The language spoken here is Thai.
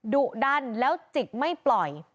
ดุดันแล้วจิกไม่ปล่อย